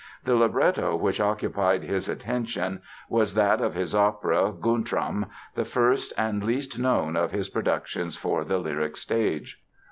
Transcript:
The libretto which occupied his attention was that of his opera, Guntram, the first and least known of his productions for the lyric stage.